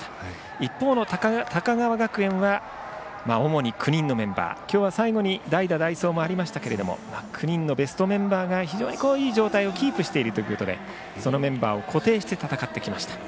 一方の高川学園は主に９人のメンバー、今日は最後に代打、代走がありましたが９人のベストメンバーがいい状態をキープしているということでそのメンバーを固定して戦ってきました。